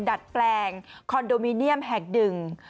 ดัดแปลงคอนโดมิเนียมแห่งหนึ่ง